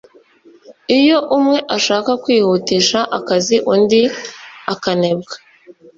iyo umwe ashaka kwihutisha akazi undi akanebwa,